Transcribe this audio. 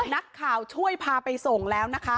นักข่าวช่วยพาไปส่งแล้วนะคะ